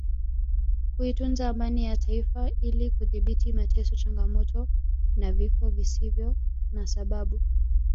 kuitunza amani ya Taifa ili kudhibiti mateso changamoto na vifo visivyo na sababu